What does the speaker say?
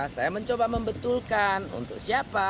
saya mencoba membetulkan untuk siapa